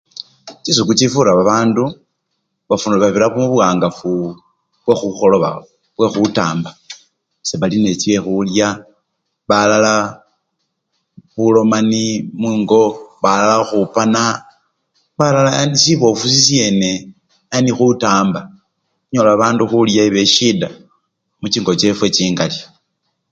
Chisiku chifura babandu bafuna! babira mubuwangafu bwekhukholoba! bwekhutamba, sebali nesyekhulya, balala bulomani mungo, balala bapana balala yani sibofu sisyene yani kutamba, onyola bandu khulya eba esyida muchingo chefwe chingali.